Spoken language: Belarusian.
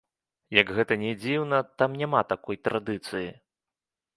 Як гэта ні дзіўна, там няма такой традыцыі.